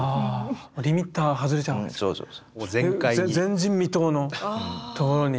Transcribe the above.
前人未到のところに。